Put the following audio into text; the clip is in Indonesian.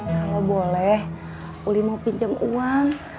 kalau boleh mau pinjam uang